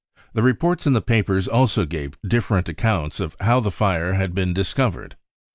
The reports in the papers also gave different accounts of how the fire had been discovered.